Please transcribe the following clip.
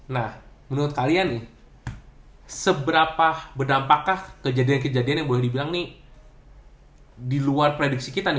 nah menurut kalian nih seberapa berdampakkah kejadian kejadian yang boleh dibilang nih di luar prediksi kita nih